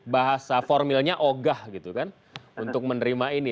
bahasa formilnya ogah gitu kan untuk menerima ini